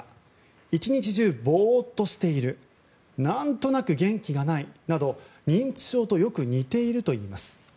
１日中ボーッとしている何となく元気がないなど認知症とよく似ているといいます。